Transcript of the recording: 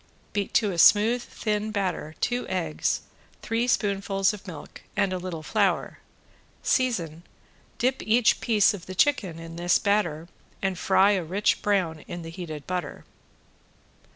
Beat to a smooth, thin batter two eggs, three spoonfuls of milk and a little flour, season, dip each piece of the chicken in this batter and fry a rich brown in the heated butter.